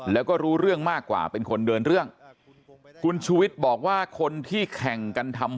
แล้วก็รู้เรื่องมากกว่าเป็นคนเดินเรื่องคุณชูวิทย์บอกว่าคนที่แข่งกันทำ